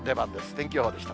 天気予報でした。